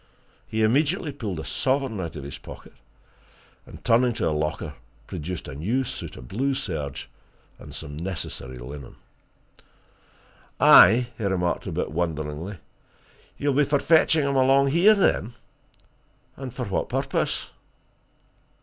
He immediately pulled a sovereign out of his pocket, and, turning to a locker, produced a new suit of blue serge and some necessary linen. "Aye?" he remarked, a bit wonderingly. "You'll be for fetching him along here, then? And for what purpose?"